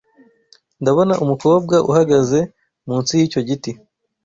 Ndabona umukobwa uhagaze munsi yicyo giti.